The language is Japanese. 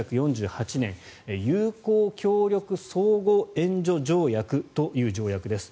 １９４８年友好協力相互援助条約という条約です。